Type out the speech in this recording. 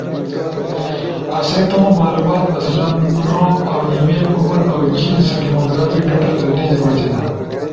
آسئی تمو معلومات مثلاً نوم اؤ ای میل، عمر اؤ جنس ڈیمو گرافک ڈیٹا در نی جمع تھینا،